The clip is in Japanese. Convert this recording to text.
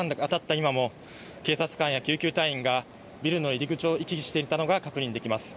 今も警察官や救急隊員がビルの入り口を行き来していたのが確認できます。